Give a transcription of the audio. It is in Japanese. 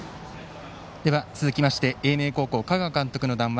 続きまして英明高校香川監督の談話